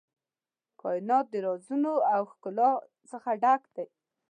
کائنات د رازونو او ښکلا څخه ډک دی.